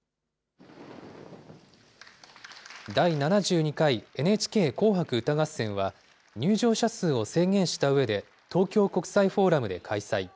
第７２回ＮＨＫ紅白歌合戦は、入場者数を制限したうえで、東京国際フォーラムで開催。